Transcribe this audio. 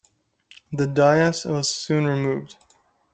The dais was soon removed.